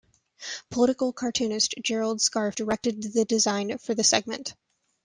Political cartoonist Gerald Scarfe directed the design for the segment.